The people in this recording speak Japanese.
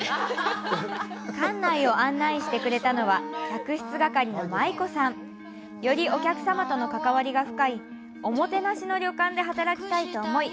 館内を案内してくれたのは客室係の舞子さん。よりお客様とのかかわりが深いおもてなしの旅館で働きたいと思い